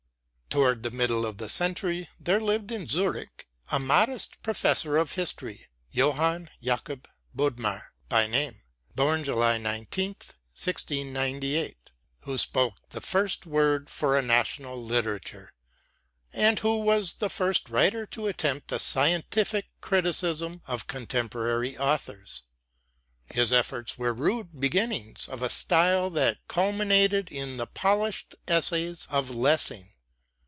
Toward the middle of the century, there lived in Zürich a modest professor of history, Johann Jakob Bodmer by name (born July 19th, 1698), who spoke the first word for a national literature, and who was the first writer to attempt a scientific criticism of contemporary authors. His efforts were rude beginnings of a style that culminated in the polished essays of Lessing.